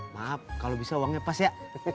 maaf kalau bisa uangnya pas ya